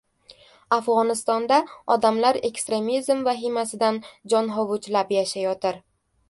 Afg‘onistonda odamlar ekstremizm vahimasidan jon hovuchlab yashayotir.